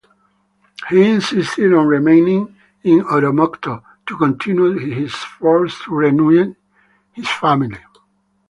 He insisted on remaining in Oromocto to continue his efforts to reunite his family.